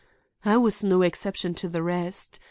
I was no exception to the rest.